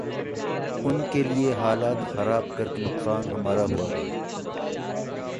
ان کیلئے حالات خراب کر کے نقصان ہمارا ہوا ہے۔